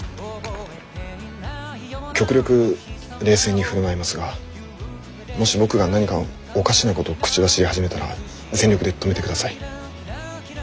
極力冷静に振る舞いますがもし僕が何かおかしなことを口走り始めたら全力で止めてください。